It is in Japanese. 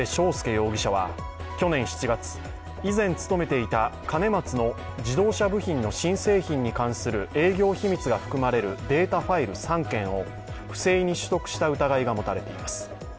容疑者は去年７月、以前勤めていた兼松の自動車部品の新製品に関する営業秘密が含まれるデータファイル３件を不正に取得した疑いが持たれています。